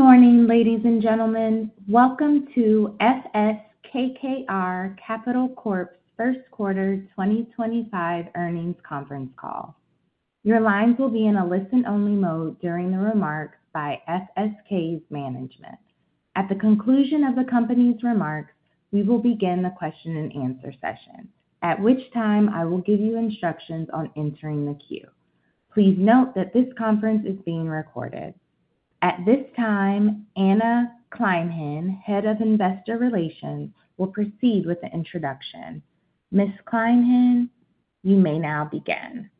Good morning, ladies and gentlemen. Welcome to FS KKR Capital Corp's first quarter 2025 earnings conference call. Your lines will be in a listen-only mode during the remarks by FSK's management. At the conclusion of the company's remarks, we will begin the question-and-answer session, at which time I will give you instructions on entering the queue. Please note that this conference is being recorded. At this time, Anna Kleinhenn, Head of Investor Relations, will proceed with the introduction. Ms. Kleinhenn, you may now begin.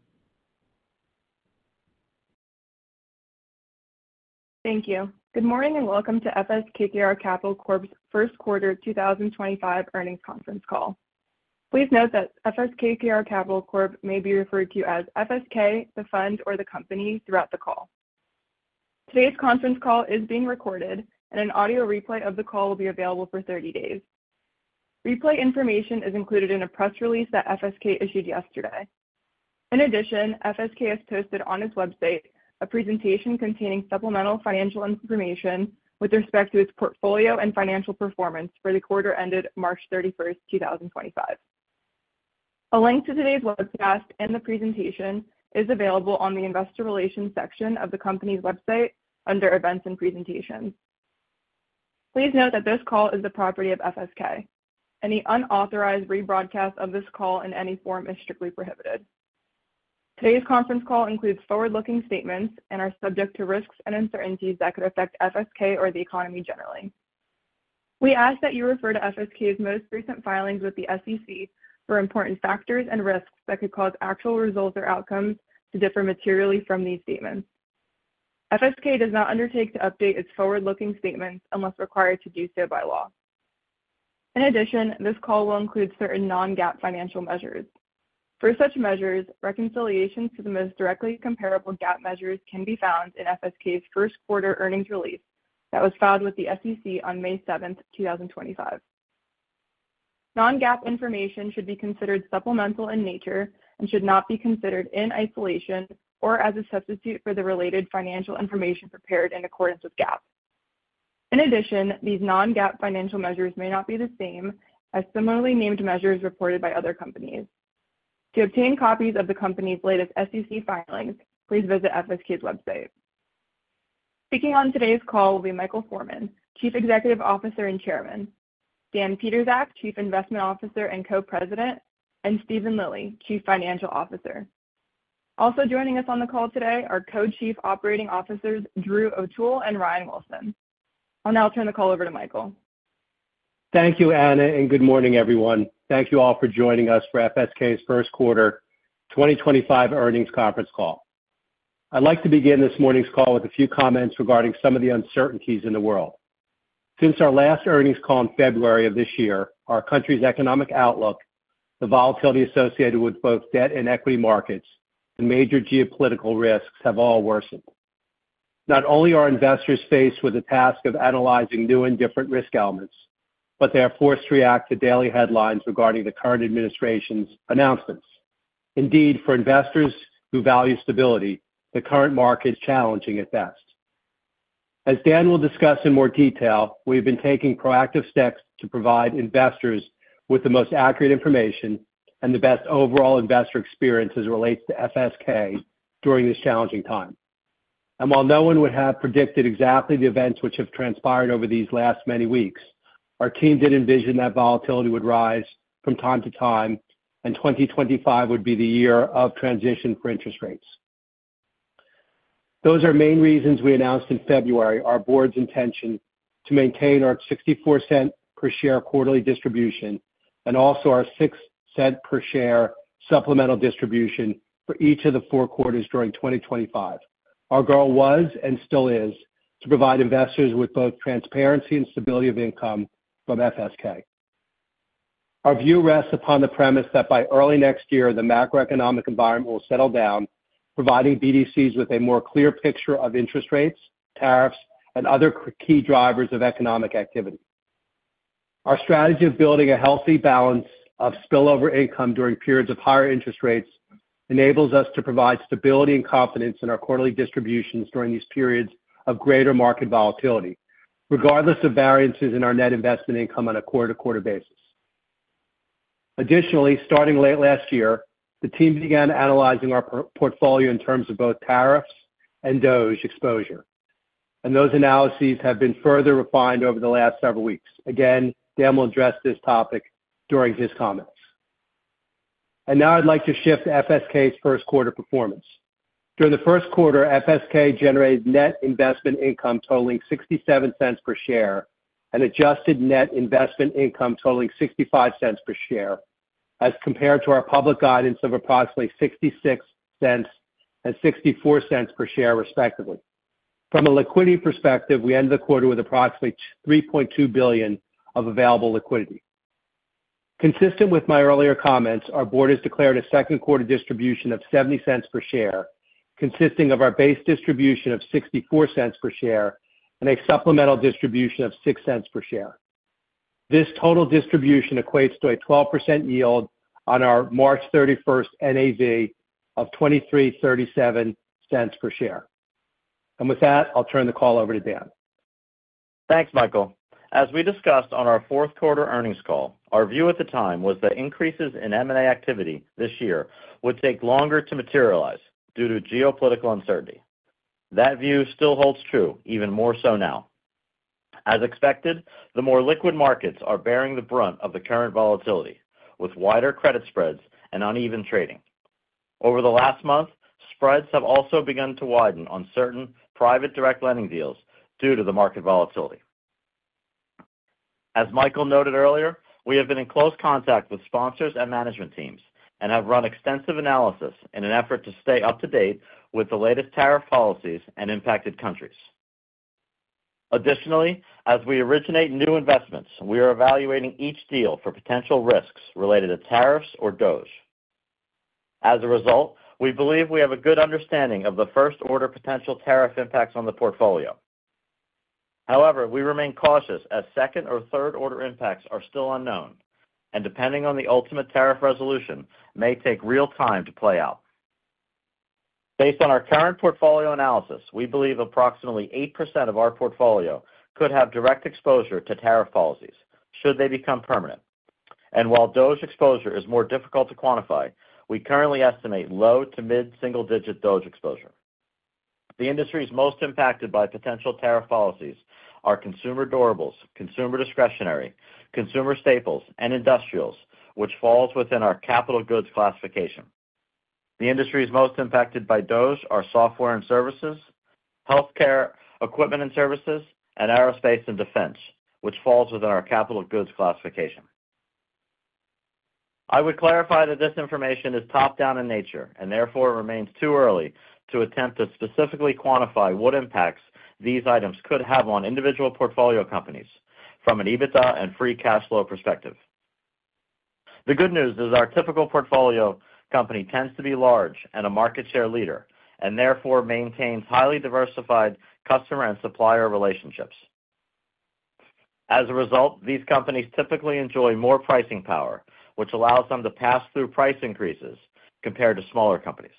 Thank you. Good morning and welcome to FS KKR Capital Corp's first quarter 2025 earnings conference call. Please note that FS KKR Capital Corp may be referred to as FSK, the fund, or the company throughout the call. Today's conference call is being recorded, and an audio replay of the call will be available for 30 days. Replay information is included in a press release that FSK issued yesterday. In addition, FSK has posted on its website a presentation containing supplemental financial information with respect to its portfolio and financial performance for the quarter ended March 31st, 2025. A link to today's webcast and the presentation is available on the investor relations section of the company's website under events and presentations. Please note that this call is the property of FSK, and the unauthorized rebroadcast of this call in any form is strictly prohibited. Today's conference call includes forward-looking statements and are subject to risks and uncertainties that could affect FSK or the economy generally. We ask that you refer to FSK's most recent filings with the SEC for important factors and risks that could cause actual results or outcomes to differ materially from these statements. FSK does not undertake to update its forward-looking statements unless required to do so by law. In addition, this call will include certain non-GAAP financial measures. For such measures, reconciliations to the most directly comparable GAAP measures can be found in FSK's first quarter earnings release that was filed with the SEC on May 7th, 2025. Non-GAAP information should be considered supplemental in nature and should not be considered in isolation or as a substitute for the related financial information prepared in accordance with GAAP. In addition, these non-GAAP financial measures may not be the same as similarly named measures reported by other companies. To obtain copies of the company's latest SEC filings, please visit FSK's website. Speaking on today's call will be Michael Forman, Chief Executive Officer and Chairman, Dan Pietrzak, Chief Investment Officer and Co-President, and Steven Lilly, Chief Financial Officer. Also joining us on the call today are Co-Chief Operating Officers Drew O'Toole and Ryan Wilson. I'll now turn the call over to Michael. Thank you, Anna, and good morning, everyone. Thank you all for joining us for FSK's first quarter 2025 earnings conference call. I'd like to begin this morning's call with a few comments regarding some of the uncertainties in the world. Since our last earnings call in February of this year, our country's economic outlook, the volatility associated with both debt and equity markets, and major geopolitical risks have all worsened. Not only are investors faced with the task of analyzing new and different risk elements, but they are forced to react to daily headlines regarding the current administration's announcements. Indeed, for investors who value stability, the current market is challenging at best. As Dan will discuss in more detail, we've been taking proactive steps to provide investors with the most accurate information and the best overall investor experience as it relates to FSK during this challenging time. While no one would have predicted exactly the events which have transpired over these last many weeks, our team did envision that volatility would rise from time to time, and 2025 would be the year of transition for interest rates. Those are main reasons we announced in February our board's intention to maintain our $0.64 per share quarterly distribution and also our $0.06 per share supplemental distribution for each of the four quarters during 2025. Our goal was and still is to provide investors with both transparency and stability of income from FSK. Our view rests upon the premise that by early next year, the macroeconomic environment will settle down, providing BDCs with a more clear picture of interest rates, tariffs, and other key drivers of economic activity. Our strategy of building a healthy balance of spillover income during periods of higher interest rates enables us to provide stability and confidence in our quarterly distributions during these periods of greater market volatility, regardless of variances in our net investment income on a quarter-to-quarter basis. Additionally, starting late last year, the team began analyzing our portfolio in terms of both tariffs and DOGE exposure, and those analyses have been further refined over the last several weeks. Again, Dan will address this topic during his comments. I would like to shift to FSK's first quarter performance. During the first quarter, FSK generated net investment income totaling $0.67 per share and adjusted net investment income totaling $0.65 per share as compared to our public guidance of approximately $0.66 and $0.64 per share, respectively. From a liquidity perspective, we ended the quarter with approximately $3.2 billion of available liquidity. Consistent with my earlier comments, our board has declared a second quarter distribution of $0.70 per share, consisting of our base distribution of $0.64 per share and a supplemental distribution of $0.06 per share. This total distribution equates to a 12% yield on our March 31st NAV of $23.37 per share. With that, I'll turn the call over to Dan. Thanks, Michael. As we discussed on our fourth quarter earnings call, our view at the time was that increases in M&A activity this year would take longer to materialize due to geopolitical uncertainty. That view still holds true, even more so now. As expected, the more liquid markets are bearing the brunt of the current volatility, with wider credit spreads and uneven trading. Over the last month, spreads have also begun to widen on certain private direct lending deals due to the market volatility. As Michael noted earlier, we have been in close contact with sponsors and management teams and have run extensive analysis in an effort to stay up to date with the latest tariff policies in impacted countries. Additionally, as we originate new investments, we are evaluating each deal for potential risks related to tariffs or DOGE. As a result, we believe we have a good understanding of the first-order potential tariff impacts on the portfolio. However, we remain cautious as second or third-order impacts are still unknown, and depending on the ultimate tariff resolution, may take real time to play out. Based on our current portfolio analysis, we believe approximately 8% of our portfolio could have direct exposure to tariff policies should they become permanent. While DOGE exposure is more difficult to quantify, we currently estimate low to mid-single-digit DOGE exposure. The industries most impacted by potential tariff policies are consumer durables, consumer discretionary, consumer staples, and industrials, which falls within our capital goods classification. The industries most impacted by DOGE are software and services, healthcare equipment and services, and aerospace and defense, which falls within our capital goods classification. I would clarify that this information is top-down in nature and therefore remains too early to attempt to specifically quantify what impacts these items could have on individual portfolio companies from an EBITDA and free cash flow perspective. The good news is our typical portfolio company tends to be large and a market share leader and therefore maintains highly diversified customer and supplier relationships. As a result, these companies typically enjoy more pricing power, which allows them to pass through price increases compared to smaller companies.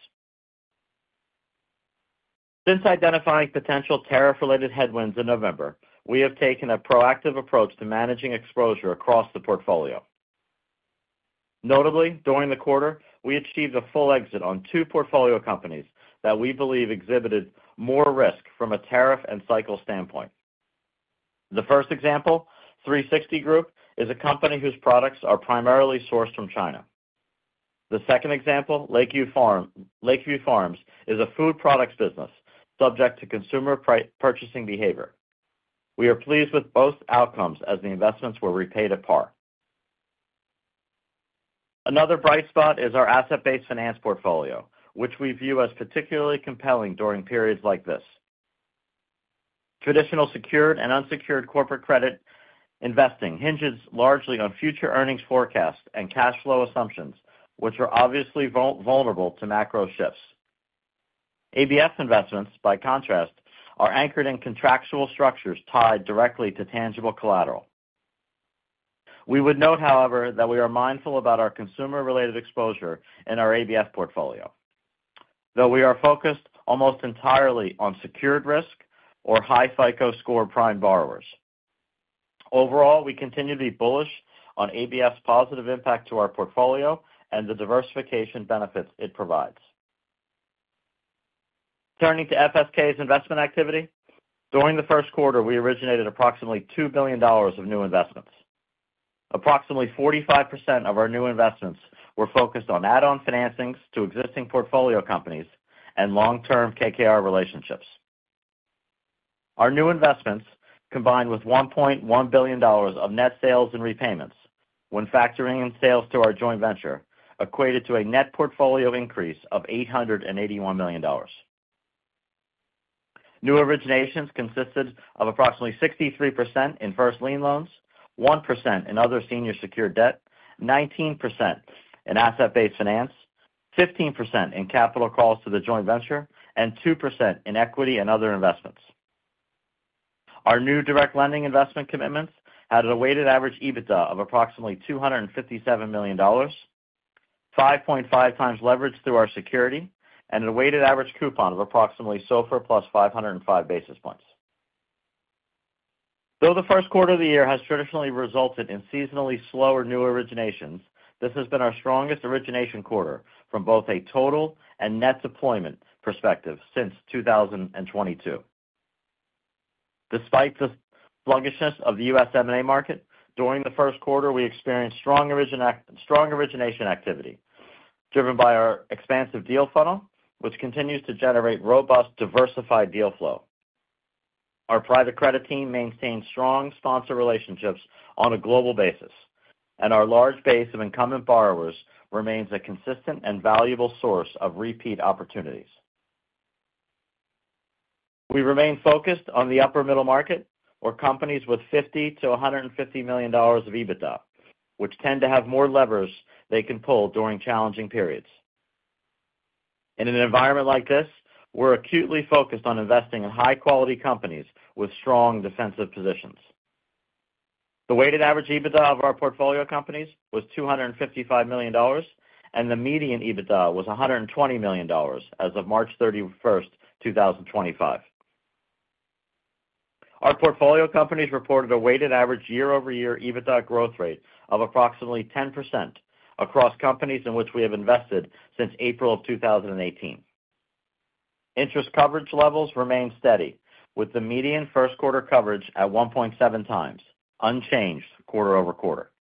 Since identifying potential tariff-related headwinds in November, we have taken a proactive approach to managing exposure across the portfolio. Notably, during the quarter, we achieved a full exit on two portfolio companies that we believe exhibited more risk from a tariff and cycle standpoint. The first example, ThreeSixty Group, is a company whose products are primarily sourced from China. The second example, Lakeview Farms, is a food products business subject to consumer purchasing behavior. We are pleased with both outcomes as the investments were repaid at par. Another bright spot is our asset-based finance portfolio, which we view as particularly compelling during periods like this. Traditional secured and unsecured corporate credit investing hinges largely on future earnings forecasts and cash flow assumptions, which are obviously vulnerable to macro shifts. ABF investments, by contrast, are anchored in contractual structures tied directly to tangible collateral. We would note, however, that we are mindful about our consumer-related exposure in our ABF portfolio, though we are focused almost entirely on secured risk or high FICO-scored prime borrowers. Overall, we continue to be bullish on ABF's positive impact to our portfolio and the diversification benefits it provides. Turning to FSK's investment activity, during the first quarter, we originated approximately $2 billion of new investments. Approximately 45% of our new investments were focused on add-on financings to existing portfolio companies and long-term KKR relationships. Our new investments combined with $1.1 billion of net sales and repayments, when factoring in sales to our joint venture, equated to a net portfolio increase of $881 million. New originations consisted of approximately 63% in first lien loans, 1% in other senior secured debt, 19% in asset-based finance, 15% in capital calls to the joint venture, and 2% in equity and other investments. Our new direct lending investment commitments had a weighted average EBITDA of approximately $257 million, 5.5x leverage through our security, and a weighted average coupon of approximately SOFR + 505 basis points. Though the first quarter of the year has traditionally resulted in seasonally slower new originations, this has been our strongest origination quarter from both a total and net deployment perspective since 2022. Despite the sluggishness of the U.S. M&A market, during the first quarter, we experienced strong origination activity driven by our expansive deal funnel, which continues to generate robust diversified deal flow. Our private credit team maintains strong sponsor relationships on a global basis, and our large base of incumbent borrowers remains a consistent and valuable source of repeat opportunities. We remain focused on the upper-middle market or companies with $50 million-$150 million of EBITDA, which tend to have more levers they can pull during challenging periods. In an environment like this, we're acutely focused on investing in high-quality companies with strong defensive positions. The weighted average EBITDA of our portfolio companies was $255 million, and the median EBITDA was $120 million as of March 31st, 2025. Our portfolio companies reported a weighted average year-over-year EBITDA growth rate of approximately 10% across companies in which we have invested since April of 2018. Interest coverage levels remain steady, with the median first quarter coverage at 1.7x, unchanged quarter over quarter.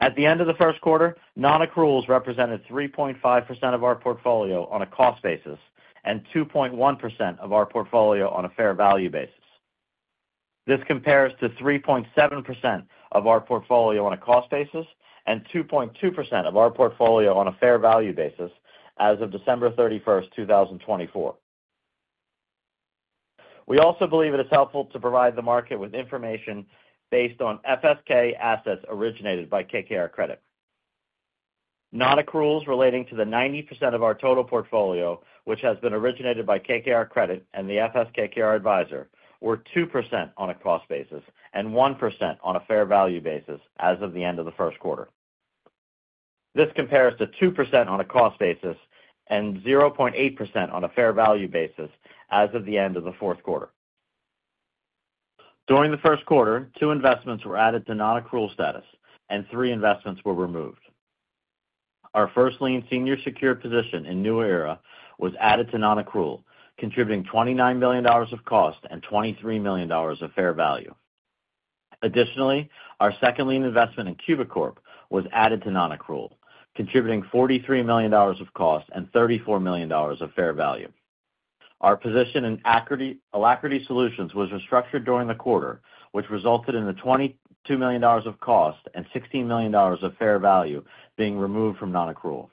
At the end of the first quarter, non-accruals represented 3.5% of our portfolio on a cost basis and 2.1% of our portfolio on a fair value basis. This compares to 3.7% of our portfolio on a cost basis and 2.2% of our portfolio on a fair value basis as of December 31st, 2024. We also believe it is helpful to provide the market with information based on FSK assets originated by KKR Credit. Non-accruals relating to the 90% of our total portfolio, which has been originated by KKR Credit and the FS KKR Advisor, were 2% on a cost basis and 1% on a fair value basis as of the end of the first quarter. This compares to 2% on a cost basis and 0.8% on a fair value basis as of the end of the fourth quarter. During the first quarter, two investments were added to non-accrual status, and three investments were removed. Our first lien senior secured position in New Era was added to non-accrual, contributing $29 million of cost and $23 million of fair value. Additionally, our second lien investment in Cubi Corp was added to non-accrual, contributing $43 million of cost and $34 million of fair value. Our position in Alacrity Solutions was restructured during the quarter, which resulted in the $22 million of cost and $16 million of fair value being removed from non-accrual.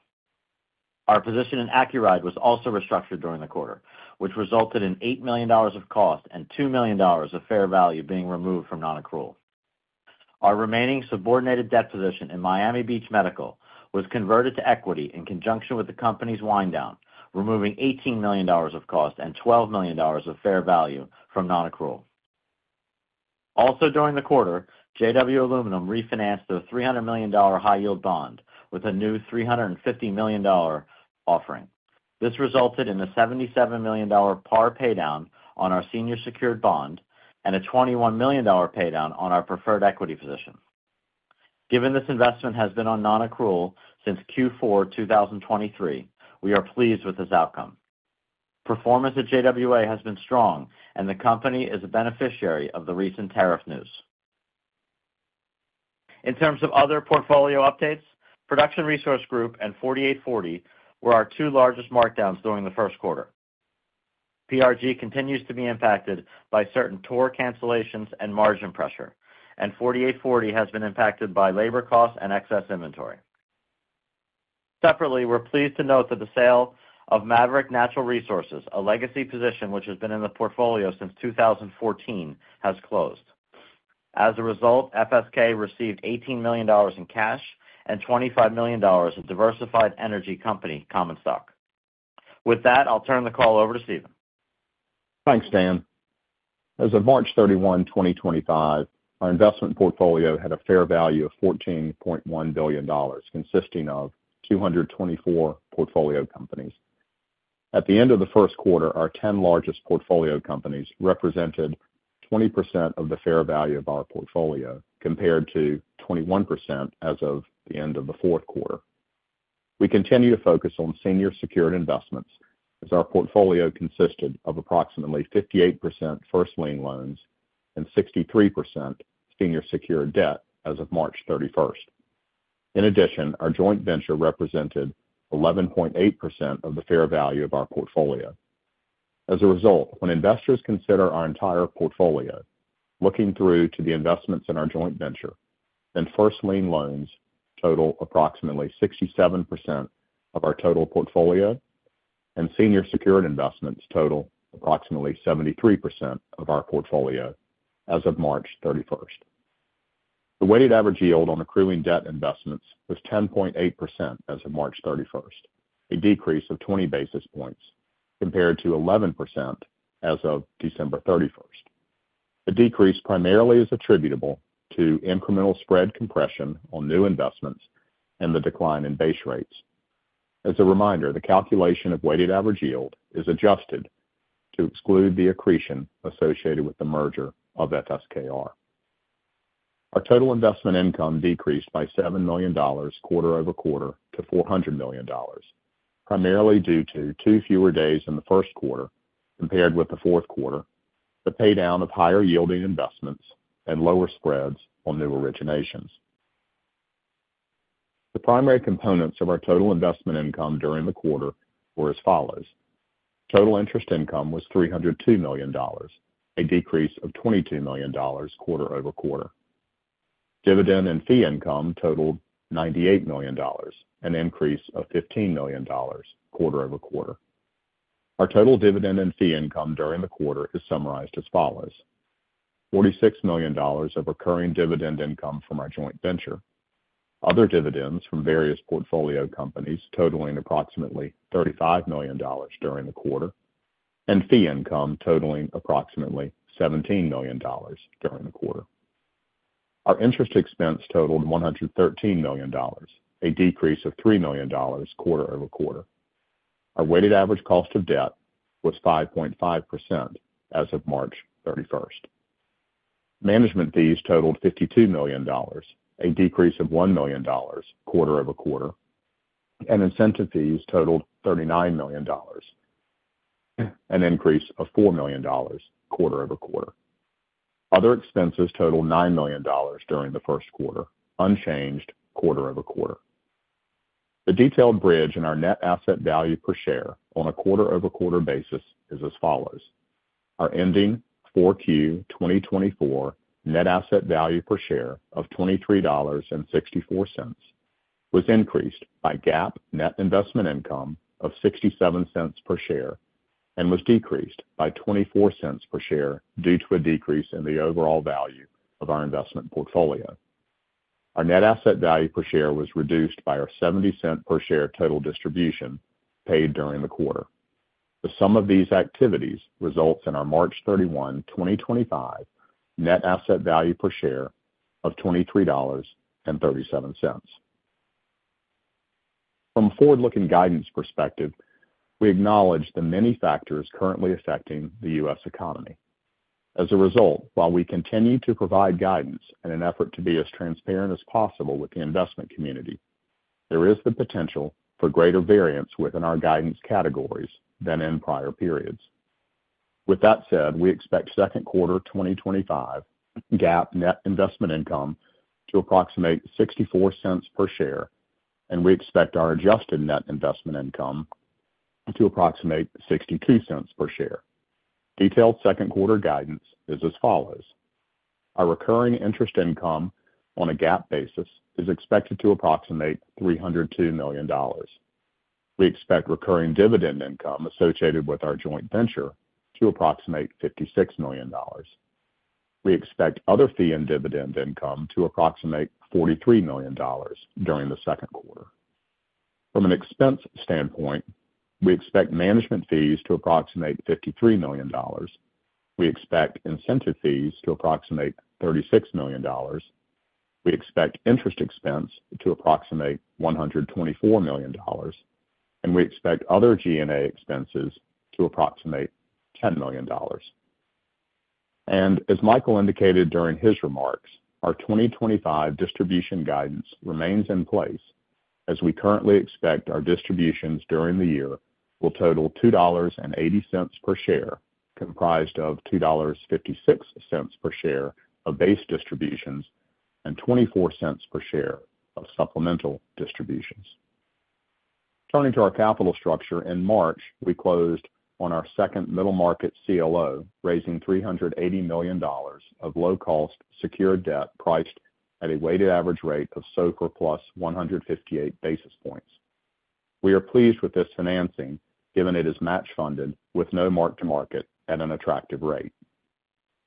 Our position in Accuride was also restructured during the quarter, which resulted in $8 million of cost and $2 million of fair value being removed from non-accrual. Our remaining subordinated debt position in Miami Beach Medical was converted to equity in conjunction with the company's wind down, removing $18 million of cost and $12 million of fair value from non-accrual. Also, during the quarter, JW Aluminum refinanced their $300 million high-yield bond with a new $350 million offering. This resulted in a $77 million par paydown on our senior secured bond and a $21 million paydown on our preferred equity position. Given this investment has been on non-accrual since Q4 2023, we are pleased with this outcome. Performance at JWA has been strong, and the company is a beneficiary of the recent tariff news. In terms of other portfolio updates, Production Resource Group and 48Forty were our two largest markdowns during the first quarter. PRG continues to be impacted by certain tour cancellations and margin pressure, and 48Forty has been impacted by labor costs and excess inventory. Separately, we're pleased to note that the sale of Maverick Natural Resources, a legacy position which has been in the portfolio since 2014, has closed. As a result, FSK received $18 million in cash and $25 million of diversified energy company common stock. With that, I'll turn the call over to Steven. Thanks, Dan. As of March 31, 2025, our investment portfolio had a fair value of $14.1 billion, consisting of 224 portfolio companies. At the end of the first quarter, our 10 largest portfolio companies represented 20% of the fair value of our portfolio compared to 21% as of the end of the fourth quarter. We continue to focus on senior secured investments as our portfolio consisted of approximately 58% first lien loans and 63% senior secured debt as of March 31st. In addition, our joint venture represented 11.8% of the fair value of our portfolio. As a result, when investors consider our entire portfolio, looking through to the investments in our joint venture, then first lien loans total approximately 67% of our total portfolio and senior secured investments total approximately 73% of our portfolio as of March 31st. The weighted average yield on accruing debt investments was 10.8% as of March 31st, a decrease of 20 basis points compared to 11% as of December 31st. The decrease primarily is attributable to incremental spread compression on new investments and the decline in base rates. As a reminder, the calculation of weighted average yield is adjusted to exclude the accretion associated with the merger of FSKR. Our total investment income decreased by $7 million quarter-over-quarter to $400 million, primarily due to two fewer days in the first quarter compared with the fourth quarter, the paydown of higher-yielding investments, and lower spreads on new originations. The primary components of our total investment income during the quarter were as follows. Total interest income was $302 million, a decrease of $22 million quarter-over-quarter. Dividend and fee income totaled $98 million, an increase of $15 million quarter-over-quarter. Our total dividend and fee income during the quarter is summarized as follows: $46 million of recurring dividend income from our joint venture, other dividends from various portfolio companies totaling approximately $35 million during the quarter, and fee income totaling approximately $17 million during the quarter. Our interest expense totaled $113 million, a decrease of $3 million quarter-over-quarter. Our weighted average cost of debt was 5.5% as of March 31st. Management fees totaled $52 million, a decrease of $1 million quarter-over-quarter, and incentive fees totaled $39 million, an increase of $4 million quarter-over-quarter. Other expenses totaled $9 million during the first quarter, unchanged quarter-over-quarter. The detailed bridge in our net asset value per share on a quarter-over-quarter basis is as follows. Our ending 4Q 2024 net asset value per share of $23.64 was increased by GAAP net investment income of $0.67 per share and was decreased by $0.24 per share due to a decrease in the overall value of our investment portfolio. Our net asset value per share was reduced by our $0.70 per share total distribution paid during the quarter. The sum of these activities results in our March 31, 2025, net asset value per share of $23.37. From a forward-looking guidance perspective, we acknowledge the many factors currently affecting the U.S. economy. As a result, while we continue to provide guidance in an effort to be as transparent as possible with the investment community, there is the potential for greater variance within our guidance categories than in prior periods. With that said, we expect second quarter 2025 GAAP net investment income to approximate $0.64 per share, and we expect our adjusted net investment income to approximate $0.62 per share. Detailed second quarter guidance is as follows. Our recurring interest income on a GAAP basis is expected to approximate $302 million. We expect recurring dividend income associated with our joint venture to approximate $56 million. We expect other fee and dividend income to approximate $43 million during the second quarter. From an expense standpoint, we expect management fees to approximate $53 million. We expect incentive fees to approximate $36 million. We expect interest expense to approximate $124 million, and we expect other G&A expenses to approximate $10 million. As Michael indicated during his remarks, our 2025 distribution guidance remains in place as we currently expect our distributions during the year will total $2.80 per share, comprised of $2.56 per share of base distributions and $0.24 per share of supplemental distributions. Turning to our capital structure, in March, we closed on our second middle market CLO, raising $380 million of low-cost secured debt priced at a weighted average rate of SOFR + 158 basis points. We are pleased with this financing given it is match-funded with no mark-to-market at an attractive rate.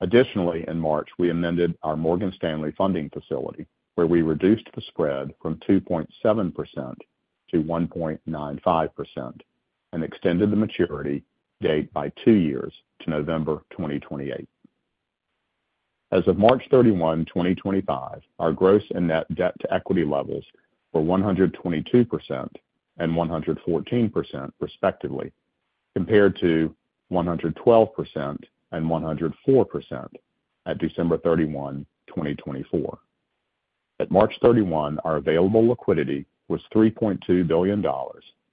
Additionally, in March, we amended our Morgan Stanley funding facility, where we reduced the spread from 2.7% to 1.95% and extended the maturity date by two years to November 2028. As of March 31, 2025, our gross and net debt-to-equity levels were 122% and 114% respectively, compared to 112% and 104% at December 31, 2024. At March 31, our available liquidity was $3.2 billion,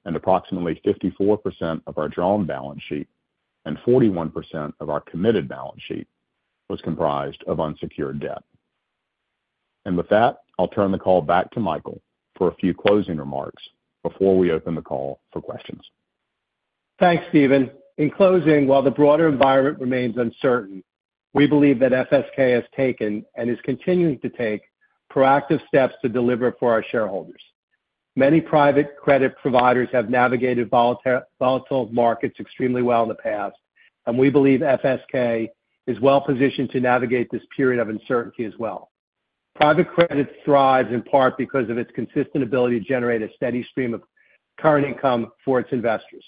and approximately 54% of our drawn balance sheet and 41% of our committed balance sheet was comprised of unsecured debt. With that, I'll turn the call back to Michael for a few closing remarks before we open the call for questions. Thanks, Steven. In closing, while the broader environment remains uncertain, we believe that FSK has taken and is continuing to take proactive steps to deliver for our shareholders. Many private credit providers have navigated volatile markets extremely well in the past, and we believe FSK is well positioned to navigate this period of uncertainty as well. Private credit thrives in part because of its consistent ability to generate a steady stream of current income for its investors.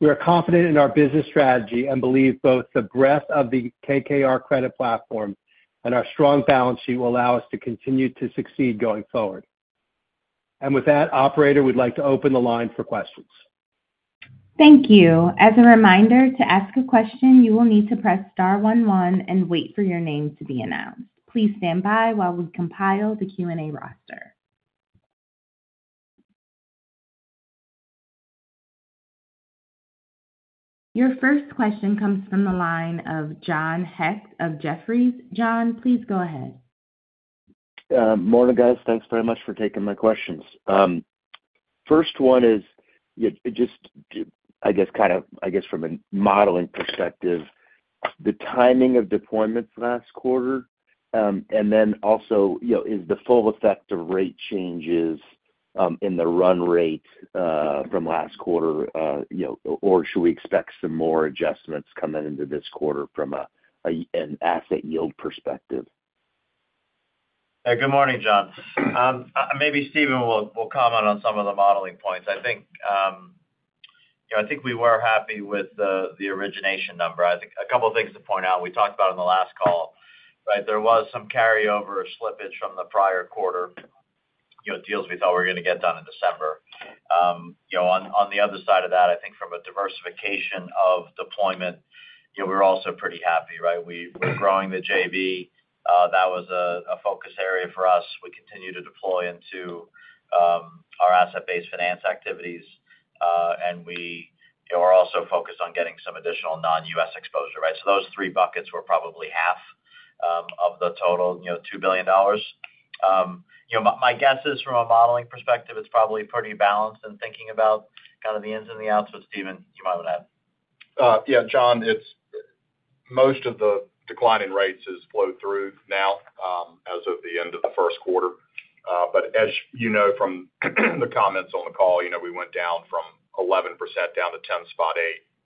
We are confident in our business strategy and believe both the breadth of the KKR Credit platform and our strong balance sheet will allow us to continue to succeed going forward. With that, Operator, we'd like to open the line for questions. Thank you. As a reminder, to ask a question, you will need to press star 11 and wait for your name to be announced. Please stand by while we compile the Q&A roster. Your first question comes from the line of John Hecht of Jefferies. John, please go ahead. Morning, guys. Thanks very much for taking my questions. First one is just, I guess, kind of, I guess, from a modeling perspective, the timing of deployments last quarter, and then also, is the full effect of rate changes in the run rate from last quarter, or should we expect some more adjustments coming into this quarter from an asset yield perspective? Good morning, John. Maybe Steven will comment on some of the modeling points. I think we were happy with the origination number. I think a couple of things to point out. We talked about it in the last call, right? There was some carryover slippage from the prior quarter deals we thought we were going to get done in December. On the other side of that, I think from a diversification of deployment, we were also pretty happy, right? We're growing the JV. That was a focus area for us. We continue to deploy into our asset-based finance activities, and we were also focused on getting some additional non-U.S. exposure, right? Those three buckets were probably half of the total $2 billion. My guess is from a modeling perspective, it's probably pretty balanced in thinking about kind of the ins and the outs. Steven, you might want to add. Yeah, John, most of the declining rates has flowed through now as of the end of the first quarter. As you know from the comments on the call, we went down from 11% down to 10.8%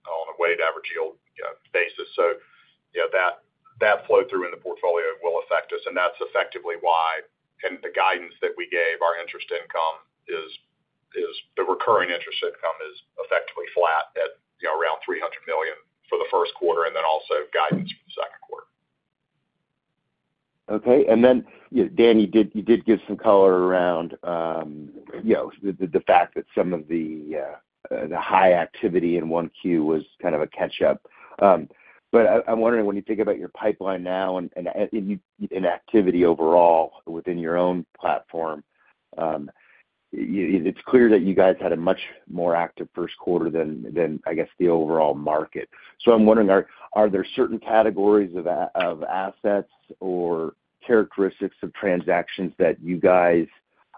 on a weighted average yield basis. That flow through in the portfolio will affect us. That is effectively why, in the guidance that we gave, our interest income, the recurring interest income, is effectively flat at around $300 million for the first quarter and then also guidance for the second quarter. Okay. And then, Dan, you did give some color around the fact that some of the high activity in 1Q was kind of a catch-up. I'm wondering, when you think about your pipeline now and activity overall within your own platform, it's clear that you guys had a much more active first quarter than, I guess, the overall market. I'm wondering, are there certain categories of assets or characteristics of transactions that you guys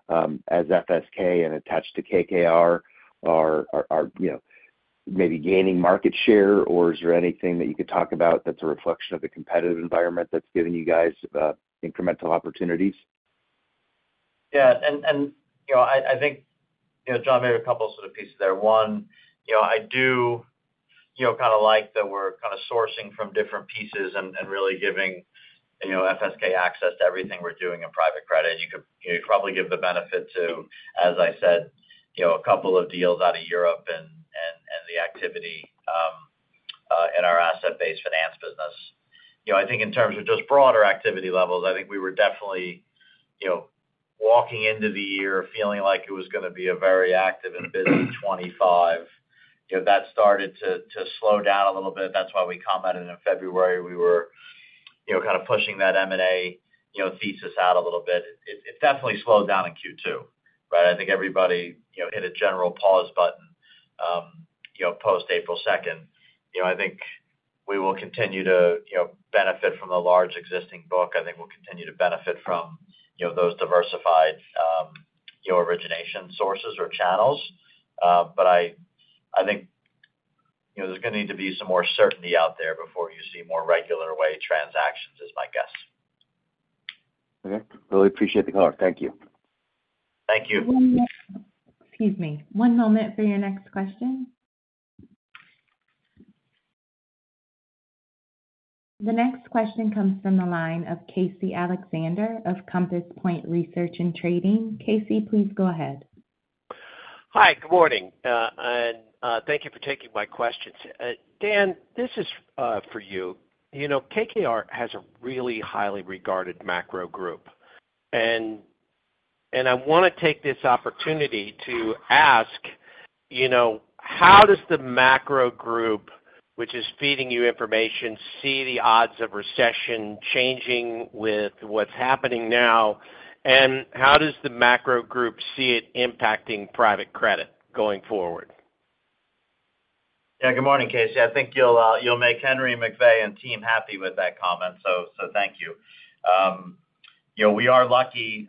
as FSK and attached to KKR are maybe gaining market share, or is there anything that you could talk about that's a reflection of the competitive environment that's given you guys incremental opportunities? Yeah. I think, John, maybe a couple of sort of pieces there. One, I do kind of like that we're kind of sourcing from different pieces and really giving FSK access to everything we're doing in private credit. You could probably give the benefit to, as I said, a couple of deals out of Europe and the activity in our asset-based finance business. I think in terms of just broader activity levels, I think we were definitely walking into the year feeling like it was going to be a very active and busy 2025. That started to slow down a little bit. That's why we commented in February we were kind of pushing that M&A thesis out a little bit. It definitely slowed down in Q2, right? I think everybody hit a general pause button post-April 2nd. I think we will continue to benefit from the large existing book. I think we'll continue to benefit from those diversified origination sources or channels. I think there's going to need to be some more certainty out there before you see more regular way transactions is my guess. Okay. Really appreciate the color. Thank you. Thank you. Excuse me. One moment for your next question. The next question comes from the line of Casey Alexander of Compass Point Research and Trading. Casey, please go ahead. Hi, good morning. Thank you for taking my questions. Dan, this is for you. KKR has a really highly regarded macro group. I want to take this opportunity to ask, how does the macro group, which is feeding you information, see the odds of recession changing with what is happening now? How does the macro group see it impacting private credit going forward? Yeah. Good morning, Casey. I think you'll make Henry McVey and team happy with that comment. So thank you. We are lucky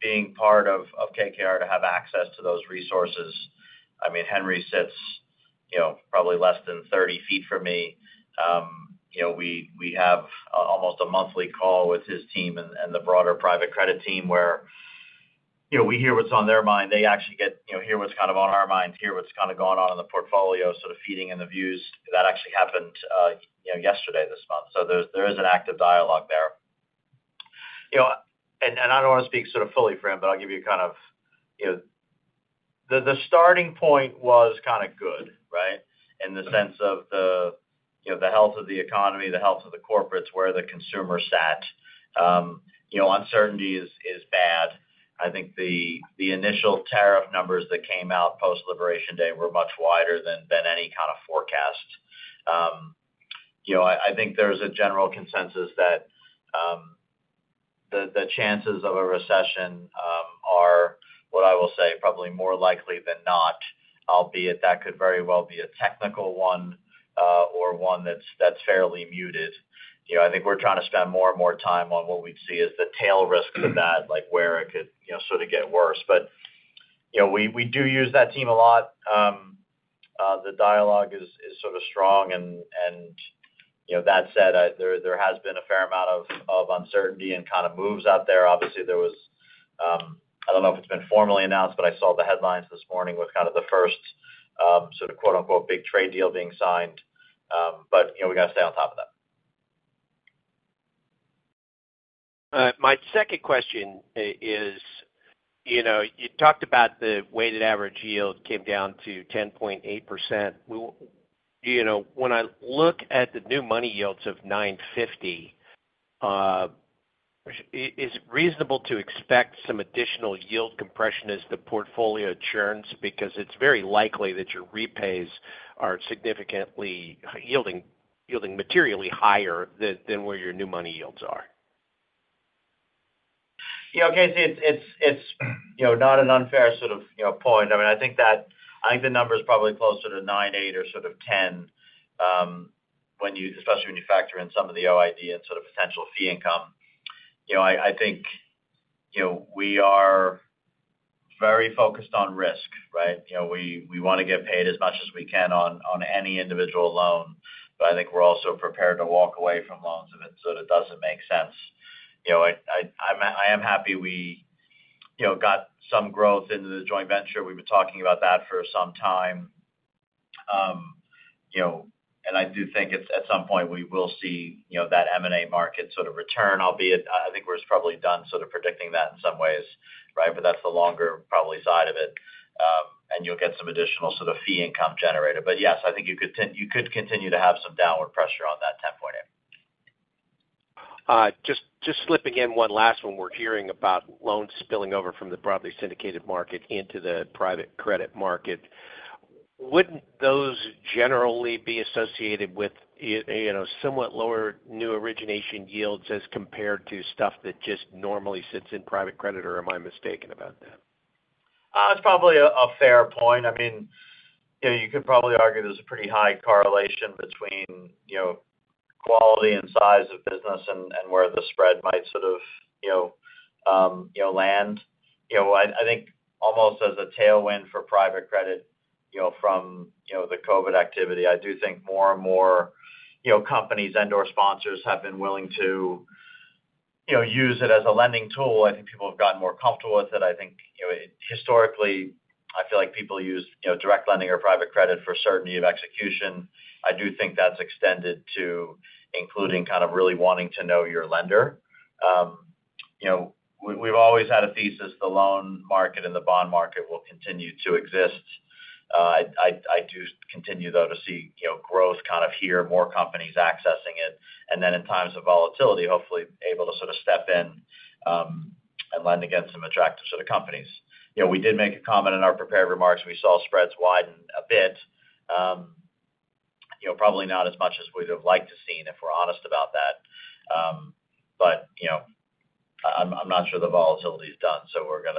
being part of KKR to have access to those resources. I mean, Henry sits probably less than 30 feet from me. We have almost a monthly call with his team and the broader private credit team where we hear what's on their mind. They actually hear what's kind of on our minds, hear what's kind of going on in the portfolio, sort of feeding in the views. That actually happened yesterday this month. There is an active dialogue there. I don't want to speak sort of fully for him, but I'll give you kind of the starting point was kind of good, right, in the sense of the health of the economy, the health of the corporates, where the consumer sat. Uncertainty is bad. I think the initial tariff numbers that came out post-Liberation Day were much wider than any kind of forecast. I think there is a general consensus that the chances of a recession are, what I will say, probably more likely than not, albeit that could very well be a technical one or one that is fairly muted. I think we are trying to spend more and more time on what we would see as the tail risks of that, like where it could sort of get worse. We do use that team a lot. The dialogue is sort of strong. That said, there has been a fair amount of uncertainty and kind of moves out there. Obviously, there was—I do not know if it has been formally announced, but I saw the headlines this morning with kind of the first sort of quote-unquote big trade deal being signed. We got to stay on top of that. My second question is, you talked about the weighted average yield came down to 10.8%. When I look at the new money yields of 9.50%, is it reasonable to expect some additional yield compression as the portfolio churns? Because it's very likely that your repays are significantly yielding materially higher than where your new money yields are. Yeah. Okay. It's not an unfair sort of point. I mean, I think the number is probably closer to 9.8% or sort of 10%, especially when you factor in some of the OID and sort of potential fee income. I think we are very focused on risk, right? We want to get paid as much as we can on any individual loan. I think we're also prepared to walk away from loans if it sort of doesn't make sense. I am happy we got some growth into the joint venture. We've been talking about that for some time. I do think at some point we will see that M&A market sort of return, albeit I think we're probably done sort of predicting that in some ways, right? That's the longer probably side of it. You'll get some additional sort of fee income generated. Yes, I think you could continue to have some downward pressure on that 10.8%. Just slipping in one last one. We're hearing about loans spilling over from the broadly syndicated market into the private credit market. Wouldn't those generally be associated with somewhat lower new origination yields as compared to stuff that just normally sits in private credit, or am I mistaken about that? It's probably a fair point. I mean, you could probably argue there's a pretty high correlation between quality and size of business and where the spread might sort of land. I think almost as a tailwind for private credit from the COVID activity, I do think more and more companies and/or sponsors have been willing to use it as a lending tool. I think people have gotten more comfortable with it. I think historically, I feel like people used direct lending or private credit for certainty of execution. I do think that's extended to including kind of really wanting to know your lender. We've always had a thesis the loan market and the bond market will continue to exist. I do continue, though, to see growth kind of here, more companies accessing it. In times of volatility, hopefully able to sort of step in and lend against some attractive sort of companies. We did make a comment in our prepared remarks. We saw spreads widen a bit, probably not as much as we would have liked to seen if we're honest about that. I'm not sure the volatility is done. We are going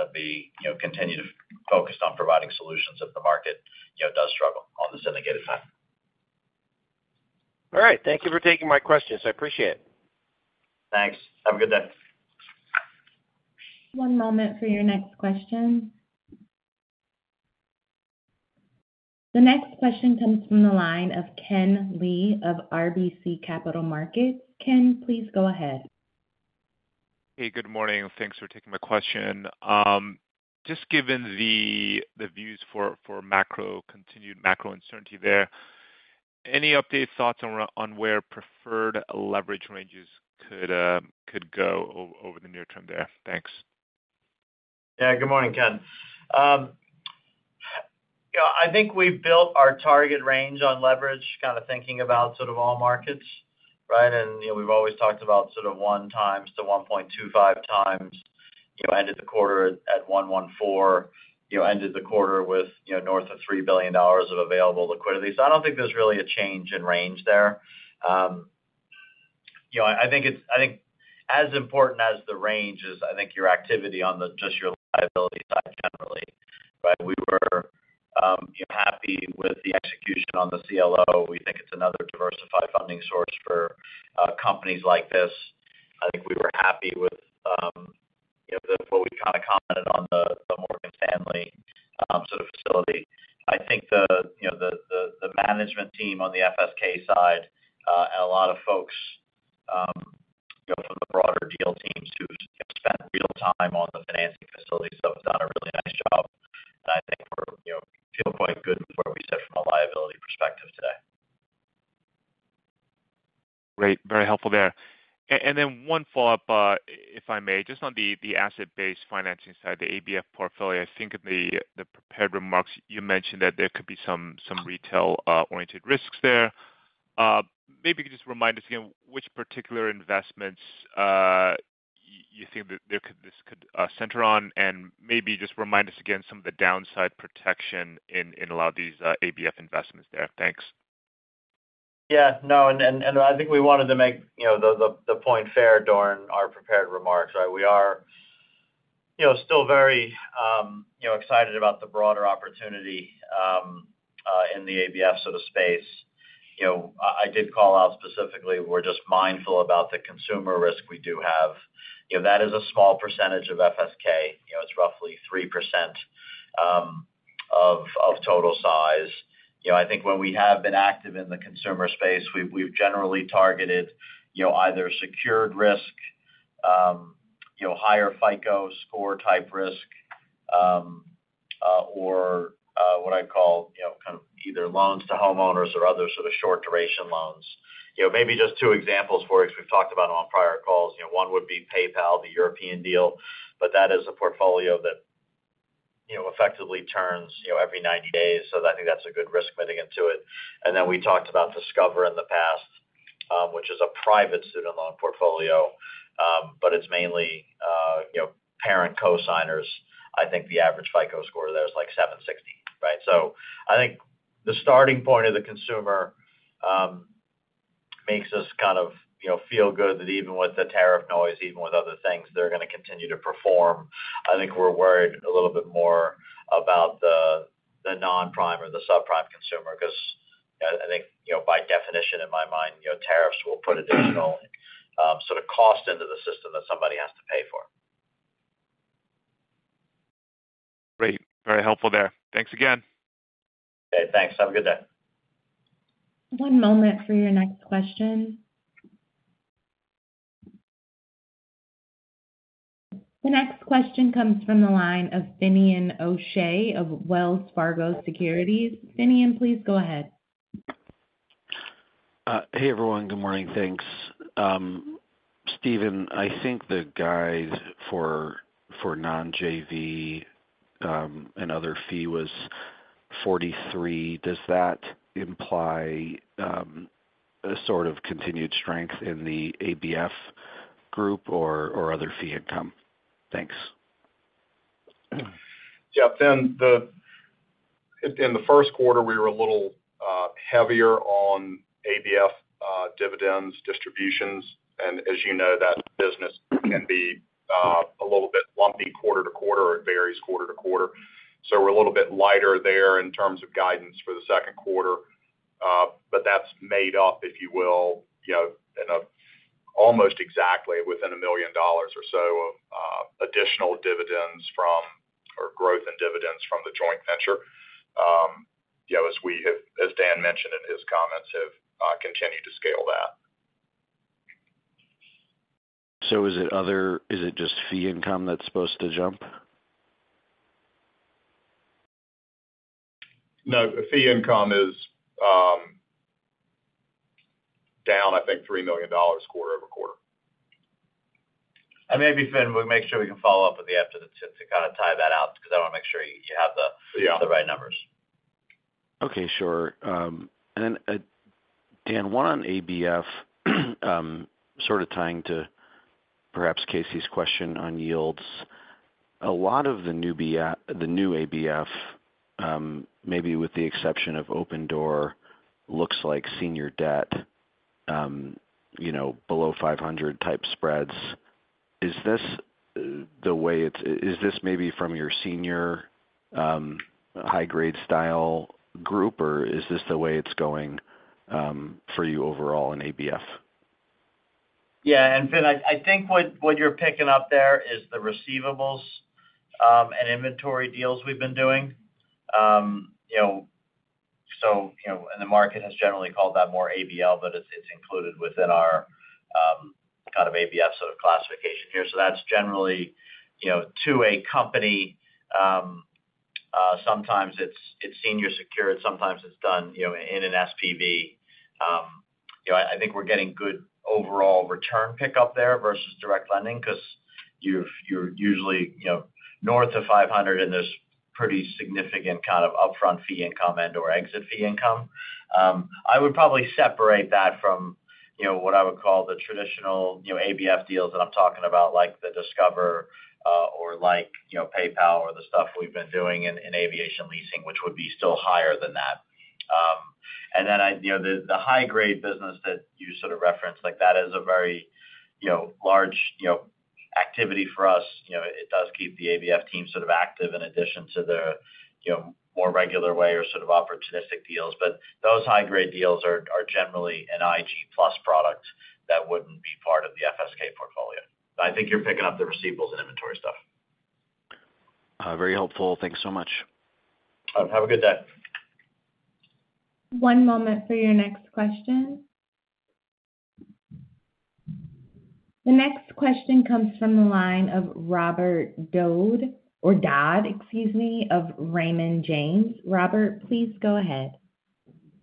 to continue to focus on providing solutions if the market does struggle on the syndicated side. All right. Thank you for taking my questions. I appreciate it. Thanks. Have a good day. One moment for your next question. The next question comes from the line of Ken Lee of RBC Capital Markets. Ken, please go ahead. Hey, good morning. Thanks for taking my question. Just given the views for continued macro uncertainty there, any updates, thoughts on where preferred leverage ranges could go over the near term there? Thanks. Yeah. Good morning, Ken. I think we've built our target range on leverage, kind of thinking about sort of all markets, right? And we've always talked about sort of 1x-1.25x, end of the quarter at 1.14, end of the quarter with north of $3 billion of available liquidity. I don't think there's really a change in range there. I think as important as the range is, I think your activity on just your liability side generally, right? We were happy with the execution on the CLO. We think it's another diversified funding source for companies like this. I think we were happy with what we kind of commented on the Morgan Stanley sort of facility. I think the management team on the FSK side and a lot of folks from the broader deal teams who spent real time on the financing facility stuff have done a really nice job. I think we're feeling quite good with where we sit from a liability perspective today. Great. Very helpful there. One follow-up, if I may, just on the asset-based finance side, the ABF portfolio, I think in the prepared remarks, you mentioned that there could be some retail-oriented risks there. Maybe you could just remind us again which particular investments you think that this could center on and maybe just remind us again some of the downside protection in a lot of these ABF investments there. Thanks. Yeah. No. I think we wanted to make the point fair during our prepared remarks, right? We are still very excited about the broader opportunity in the ABF sort of space. I did call out specifically we're just mindful about the consumer risk we do have. That is a small percentage of FSK. It's roughly 3% of total size. I think when we have been active in the consumer space, we've generally targeted either secured risk, higher FICO score type risk, or what I call kind of either loans to homeowners or other sort of short-duration loans. Maybe just two examples for you because we've talked about them on prior calls. One would be PayPal, the European deal. That is a portfolio that effectively turns every 90 days. I think that's a good risk mitigant to it. We talked about Discover in the past, which is a private student loan portfolio, but it's mainly parent co-signers. I think the average FICO score there is like 760, right? I think the starting point of the consumer makes us kind of feel good that even with the tariff noise, even with other things, they're going to continue to perform. I think we're worried a little bit more about the non-prime or the sub-prime consumer because I think by definition, in my mind, tariffs will put additional sort of cost into the system that somebody has to pay for. Great. Very helpful there. Thanks again. Okay. Thanks. Have a good day. One moment for your next question. The next question comes from the line of Finian O'Shea of Wells Fargo Securities. Finnean, please go ahead. Hey, everyone. Good morning. Thanks. Steven, I think the guide for non-JV and other fee was 43. Does that imply a sort of continued strength in the ABF group or other fee income? Thanks. Yeah. In the first quarter, we were a little heavier on ABF dividends, distributions. And as you know, that business can be a little bit lumpy quarter to quarter or it varies quarter to quarter. We are a little bit lighter there in terms of guidance for the second quarter. But that's made up, if you will, almost exactly within a million dollars or so of additional dividends or growth in dividends from the joint venture, as Dan mentioned in his comments, have continued to scale that. Is it just fee income that's supposed to jump? No. Fee income is down, I think, $3 million quarter over quarter. Maybe Finn, we'll make sure we can follow up with you after the tip to kind of tie that out because I want to make sure you have the right numbers. Okay. Sure. And then, Dan, one on ABF, sort of tying to perhaps Casey's question on yields. A lot of the new ABF, maybe with the exception of Opendoor, looks like senior debt, below 500 type spreads. Is this the way it is, is this maybe from your senior high-grade style group, or is this the way it is going for you overall in ABF? Yeah. Finn, I think what you're picking up there is the receivables and inventory deals we've been doing. The market has generally called that more ABL, but it's included within our kind of ABF sort of classification here. That's generally to a company. Sometimes it's senior secured. Sometimes it's done in an SPV. I think we're getting good overall return pickup there versus direct lending because you're usually north of 500, and there's pretty significant kind of upfront fee income and/or exit fee income. I would probably separate that from what I would call the traditional ABF deals that I'm talking about, like the Discover or PayPal or the stuff we've been doing in aviation leasing, which would be still higher than that. The high-grade business that you sort of referenced, that is a very large activity for us. It does keep the ABF team sort of active in addition to their more regular way or sort of opportunistic deals. Those high-grade deals are generally an IG Plus product that would not be part of the FSK portfolio. I think you're picking up the receivables and inventory stuff. Very helpful. Thanks so much. Have a good day. One moment for your next question. The next question comes from the line of Robert Dodd, excuse me, of Raymond James. Robert, please go ahead.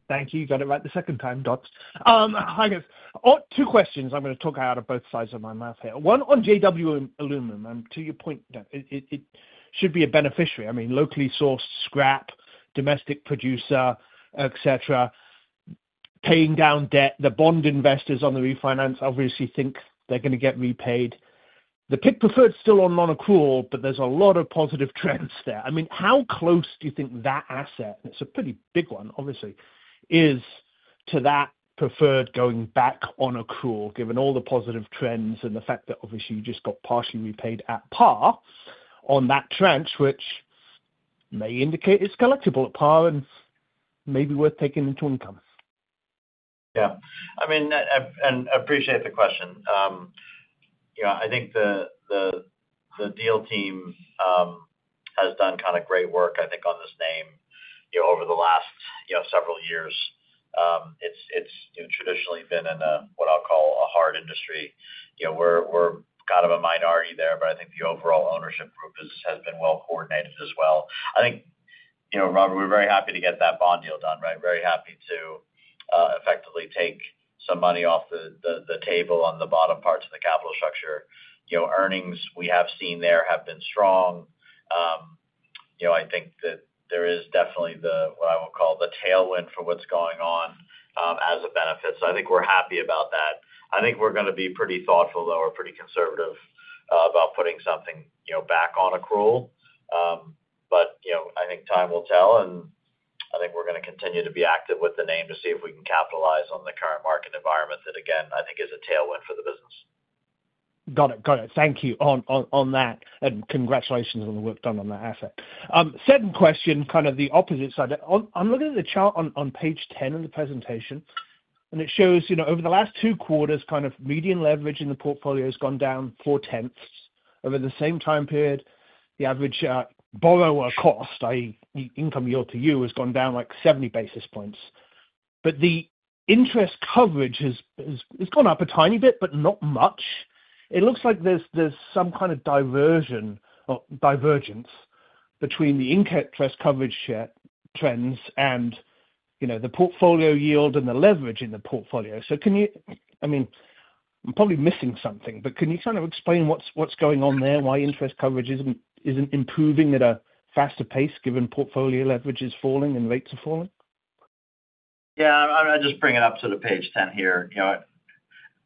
Thank you. Got it right the second time. Dodd. Hi, guys. Two questions. I'm going to talk out of both sides of my mouth here. One on JW Aluminum. And to your point, it should be a beneficiary. I mean, locally sourced scrap, domestic producer, etc., paying down debt. The bond investors on the refinance obviously think they're going to get repaid. The pick preferred's still on non-accrual, but there's a lot of positive trends there. I mean, how close do you think that asset—and it's a pretty big one, obviously—is to that preferred going back on accrual, given all the positive trends and the fact that obviously you just got partially repaid at par on that tranche, which may indicate it's collectible at par and maybe worth taking into income? Yeah. I mean, I appreciate the question. I think the deal team has done kind of great work, I think, on this name over the last several years. It's traditionally been in what I'll call a hard industry. We're kind of a minority there, but I think the overall ownership group has been well coordinated as well. I think, Robert, we're very happy to get that bond deal done, right? Very happy to effectively take some money off the table on the bottom parts of the capital structure. Earnings we have seen there have been strong. I think that there is definitely what I would call the tailwind for what's going on as a benefit. I think we're happy about that. I think we're going to be pretty thoughtful, though, or pretty conservative about putting something back on accrual. I think time will tell. I think we're going to continue to be active with the name to see if we can capitalize on the current market environment that, again, I think is a tailwind for the business. Got it. Got it. Thank you on that. And congratulations on the work done on that asset. Second question, kind of the opposite side. I'm looking at the chart on page 10 of the presentation, and it shows over the last two quarters, kind of median leverage in the portfolio has gone down 4/10. Over the same time period, the average borrower cost, i.e., income yield to you, has gone down like 70 basis points. But the interest coverage has gone up a tiny bit, but not much. It looks like there's some kind of divergence between the interest coverage trends and the portfolio yield and the leverage in the portfolio. So can you—I mean, I'm probably missing something, but can you kind of explain what's going on there, why interest coverage isn't improving at a faster pace given portfolio leverage is falling and rates are falling? Yeah. I'll just bring it up to the page 10 here.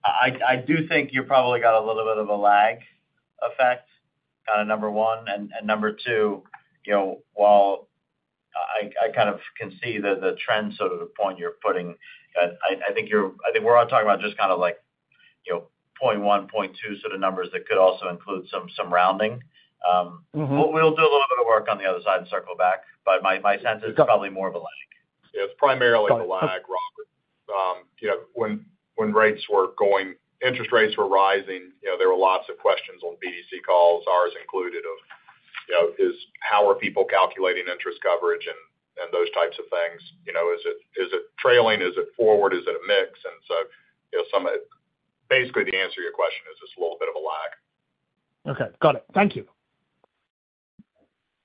I do think you've probably got a little bit of a lag effect, number one. And number two, while I kind of can see the trend, sort of the point you're putting, I think we're all talking about just kind of like 0.1, 0.2 sort of numbers that could also include some rounding. We'll do a little bit of work on the other side and circle back. My sense is it's probably more of a lag. Yeah. It's primarily a lag, Robert. When interest rates were rising, there were lots of questions on BDC calls, ours included, of how are people calculating interest coverage and those types of things. Is it trailing? Is it forward? Is it a mix? Basically, the answer to your question is it's a little bit of a lag. Okay. Got it. Thank you.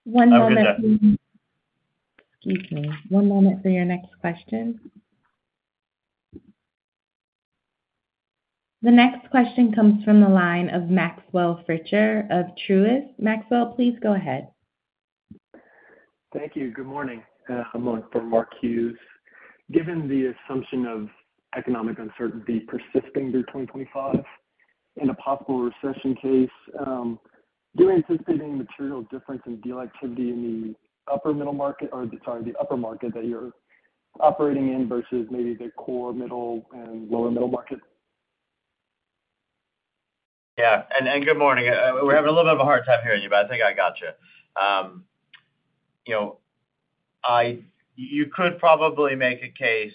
One moment. I think that. Excuse me. One moment for your next question. The next question comes from the line of Maxwell Fritscher of Truist. Maxwell, please go ahead. Thank you. Good morning. I'm on for Mark Hughes. Given the assumption of economic uncertainty persisting through 2025 and a possible recession case, do you anticipate any material difference in deal activity in the upper middle market or, sorry, the upper market that you're operating in versus maybe the core middle and lower middle market? Yeah. Good morning. We're having a little bit of a hard time hearing you, but I think I got you. You could probably make a case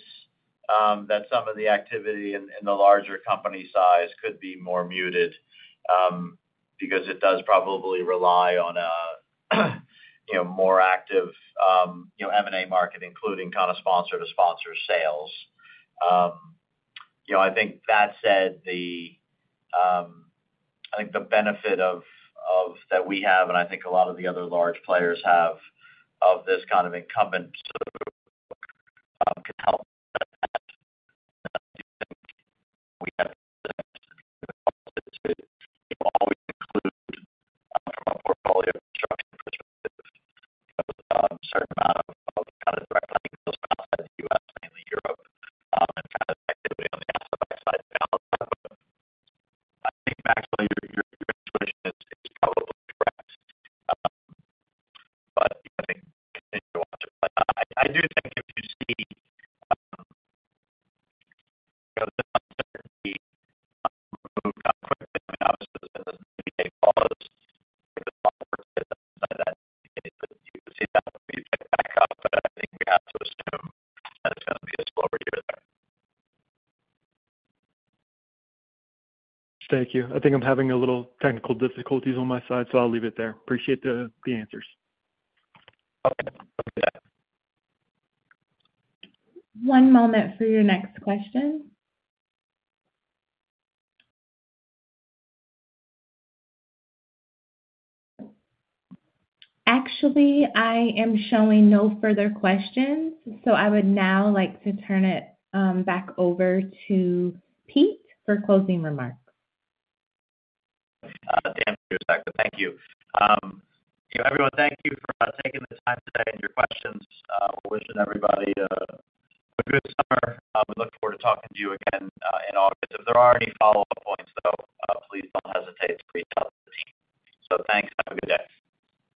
that some of the activity in the larger company size could be more muted because it does probably rely on a more active M&A market, including kind of sponsor-to-sponsor sales. That said, I think the benefit that we have and I think a lot of the other large players have of this kind of incumbent. Thank you. I think I'm having a little technical difficulties on my side, so I'll leave it there. Appreciate the answers. One moment for your next question. Actually, I am showing no further questions. So I would now like to turn it back over to Pete for closing remarks. Dan Pietrzak back here. Thank you. Everyone, thank you for taking the time today and your questions. We will wish everybody a good summer. We look forward to talking to you again in August. If there are any follow-up points, though, please do not hesitate to reach out to the team. Thanks. Have a good day.